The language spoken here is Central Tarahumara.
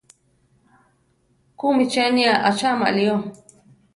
¿Kúmi cheni acháma lío?